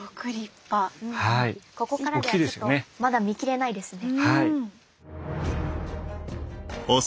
ここからじゃちょっとまだ見きれないですね。